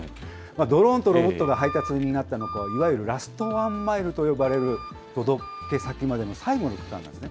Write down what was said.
ドローンとロボットが配達を担ったのは、いわゆるラストワンマイルと呼ばれる届け先までの最後の区間なんですね。